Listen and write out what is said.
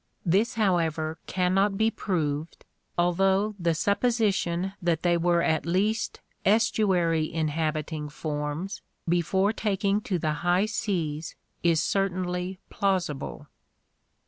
This, however, can not be proved, although the sup position that they were at least estuary inhabiting forms before taking to the high seas is certainly plausible.